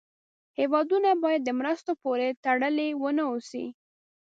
هېوادونه باید د مرستو پورې تړلې و نه اوسي.